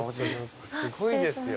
すごいですよ。